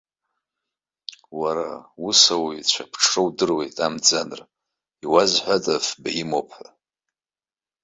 Уара, ус ауаҩ ицәа аԥҽра удыруеит, амӡанра, иуазҳәада фба имоуп ҳәа?!